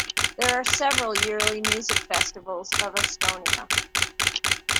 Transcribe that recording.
There are several yearly music festivals of Estonia.